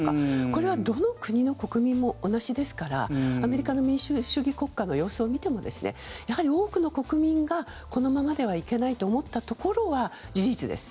これはどの国の国民も同じですからアメリカの民主主義国家の様子を見てもやはり多くの国民がこのままではいけないと思ったところは事実です。